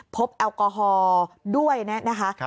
แอลกอฮอล์ด้วยนะคะ